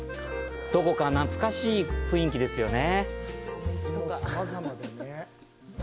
どこか懐かしい雰囲気ですよね。